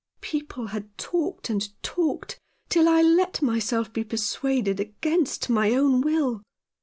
People had talked and talked till I let myself be persuaded against my own will.